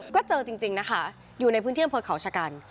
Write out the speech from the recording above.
ก็เจอจริงนะคะอยู่ในพื้นที่อำเภอเขาชะกัน